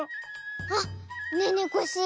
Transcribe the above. あっねえねえコッシー